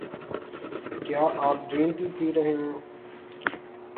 کیا آپ green tea پی رہے ہے؟